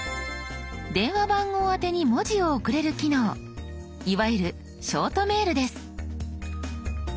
電話番号宛てに文字を送れる機能いわゆるショートメールです。